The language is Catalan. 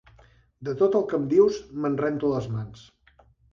De tot el que em dius, me'n rento les mans.